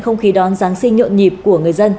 không khí đón giáng sinh nhộn nhịp của người dân